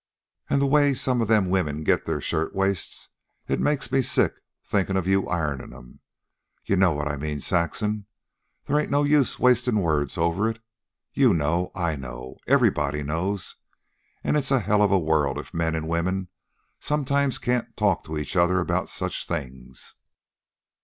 "An' the way some of them women gets their shirtwaists. It makes me sick, thinkin' of you ironin' 'em. You know what I mean, Saxon. They ain't no use wastin' words over it. You know. I know. Everybody knows. An' it's a hell of a world if men an' women sometimes can't talk to each other about such things."